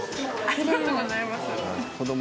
ありがとうございます。